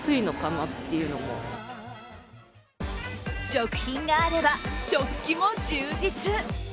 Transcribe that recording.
食品があれば、食器も充実。